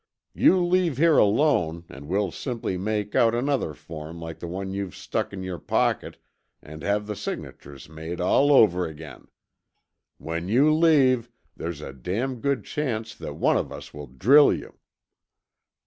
You leave here alone, and we'll simply make out another form like the one you've stuck in your pocket and have the signatures made all over again. When you leave, there's a damn good chance that one of us will drill you."